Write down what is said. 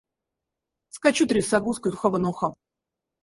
Скачу трясогузкой с ухаба на ухаб.